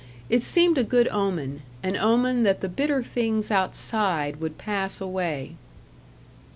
It seemed a good omen an omen that the bitter things outside would pass away.